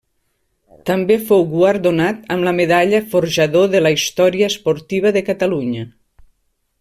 També fou guardonat amb la medalla Forjador de la Història Esportiva de Catalunya.